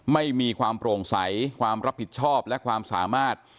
ไม่มีความโปร่งใสความรับผิดชอบและความสามารถ